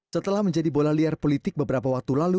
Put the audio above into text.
setelah menjadi bola liar politik beberapa waktu lalu